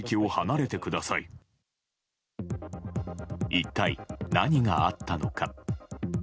一体何があったのか。